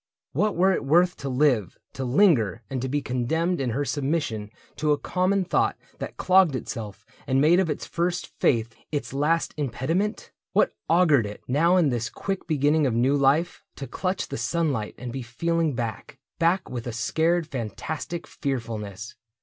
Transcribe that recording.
What were it worth To live, to linger, and to be condemned In her submission to a common thought That clogged itself and made of its first faith Its last impediment ? What augured it, Now in this quick beginning of new life, THE BOOK OF ANNANDALE 141 To clutch the sunlight and be feeling back. Back with a scared fantastic fearfulness.